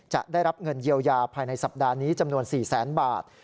จะได้รับเงินเยียวยาภายในสัปดาห์นี้จำนวน๔แสนบาท